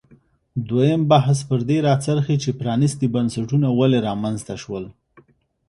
دویم بحث پر دې راڅرخي چې پرانیستي بنسټونه ولې رامنځته شول.